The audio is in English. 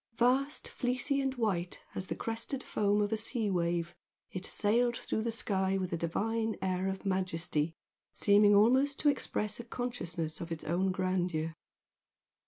Vast, fleecy and white as the crested foam of a sea wave, it sailed through the sky with a divine air of majesty, seeming almost to express a consciousness of its own grandeur.